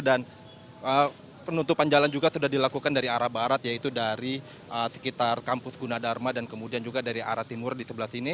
dan penutupan jalan juga sudah dilakukan dari arah barat yaitu dari sekitar kampus gunadharma dan kemudian juga dari arah timur di sebelah sini